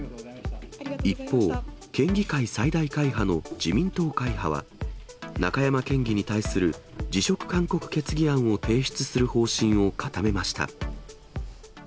一方、県議会最大会派の自民党会派は、中山県議に対する辞職勧告決議案を提出する方針を固めました。